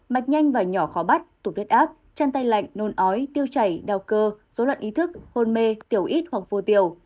mạch nhanh và nhỏ khó bắt tụt áp chân tay lạnh nôn ói tiêu chảy đau cơ dối loạn ý thức hôn mê tiểu ít hoặc vô tiểu